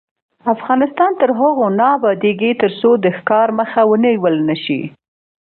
افغانستان تر هغو نه ابادیږي، ترڅو د ښکار مخه ونیول نشي.